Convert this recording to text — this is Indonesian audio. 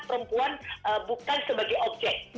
perempuan bukan sebagai objek